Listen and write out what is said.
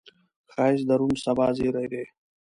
ښایست د روڼ سبا زیری دی